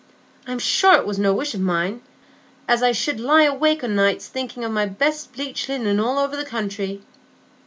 "I'm sure it was no wish o' mine, iver, as I should lie awake o' nights thinking o' my best bleached linen all over the country."